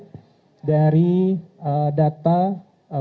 dan juga dari informasi yang ada di jawa barat